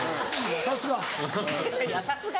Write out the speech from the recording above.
さすが。